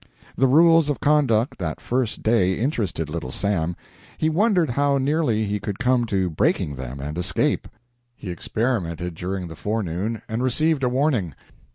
The rules of conduct that first day interested Little Sam. He wondered how nearly he could come to breaking them and escape. He experimented during the forenoon, and received a warning.